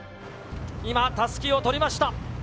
今、たすきを取りました。